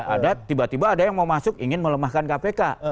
ada tiba tiba ada yang mau masuk ingin melemahkan kpk